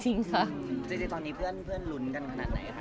จริงตอนนี้เพื่อนหลุนกันขนาดไหนคะ